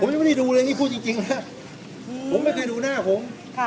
ผมยังไม่ได้ดูเลยนี่พูดจริงนะผมไม่เคยดูหน้าผม